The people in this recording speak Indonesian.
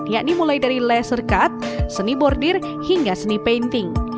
yakni mulai dari laser cut seni bordir hingga seni painting